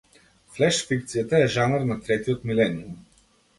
Флеш фикцијата е жанр на третиот милениум.